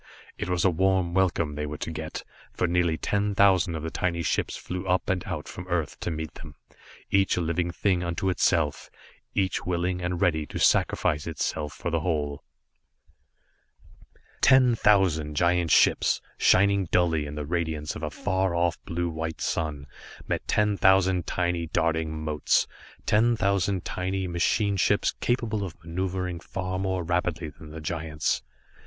It was a warm welcome they were to get, for nearly ten thousand of the tiny ships flew up and out from Earth to meet them, each a living thing unto itself, each willing and ready to sacrifice itself for the whole. Ten thousand giant ships, shining dully in the radiance of a far off blue white sun, met ten thousand tiny, darting motes, ten thousand tiny machine ships capable of maneuvering far more rapidly than the giants.